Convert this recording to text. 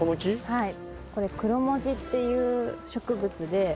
はい。